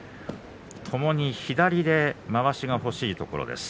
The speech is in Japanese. ともに左でまわしが欲しいところです。